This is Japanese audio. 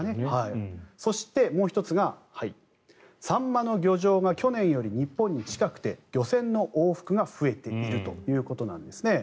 そして、もう１つがサンマの漁場が去年より日本に近くて漁船の往復が増えているということなんですね。